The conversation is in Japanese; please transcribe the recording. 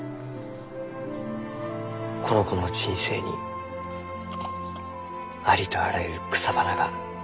この子の人生にありとあらゆる草花が咲き誇るように。